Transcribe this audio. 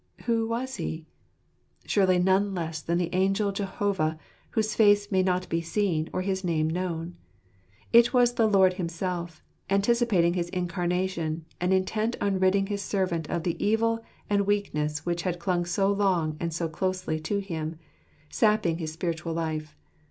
Who was He? Surely none less than the Angel Jehovah, whose face may not be seen, or his name known. It was the Lord Himself, anticipating his incarnation, and intent on ridding his servant of the evil and weakness which had clung so long and so closely to him, sapping his spiritual life.